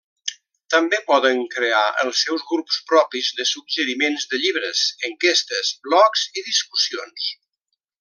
També poden crear els seus grups propis de suggeriments de llibres, enquestes, blogs i discussions.